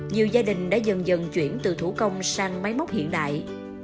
nhiều gia đình đã dần dần chuyển từ thủ công sang máy móc hiện đại